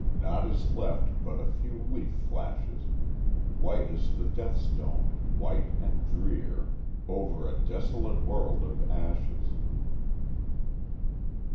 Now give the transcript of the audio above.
Naught is left but a few leaf flashes; White is the death stone, white and drear, Over a desolate world of ashes.